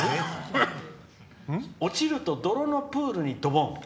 落ちると泥のプールに、どぼん。